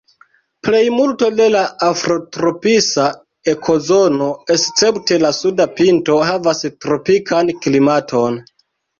Plejmulto de la afrotropisa ekozono, escepte la suda pinto, havas tropikan klimaton.